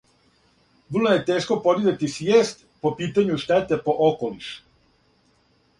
Врло је тешко подизати свијест по питању штете по околиш.